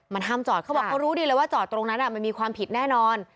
มันห้ามจอดเขาบอกเขารู้ดีเลยว่าจอดตรงนั้นมันมีความผิดแน่นอน